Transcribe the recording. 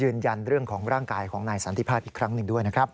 ยืนยันเรื่องของร่างกายของนายสันติภาพอีกครั้งหนึ่งด้วยนะครับ